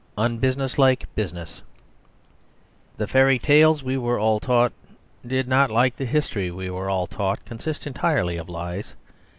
Unbusinesslike Business The fairy tales we were all taught did not, like the history we were all taught, consist entirely of lies.